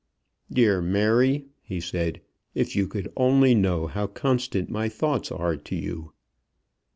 "Dear Mary," he said, "if you could only know how constant my thoughts are to you."